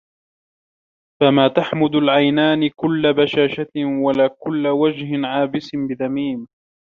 فما تحمد العينان كل بشاشة ولا كل وجه عابس بذميم